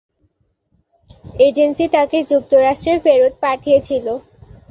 Agency তাকে যুক্তরাষ্ট্রে ফেরত পাঠিয়েছিল।